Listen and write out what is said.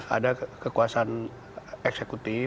ada kekuasaan eksekutif